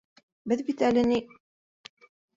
Беҙ бит әле, ни...